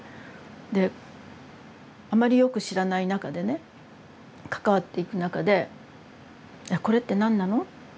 であまりよく知らない中でね関わっていく中でこれって何なの？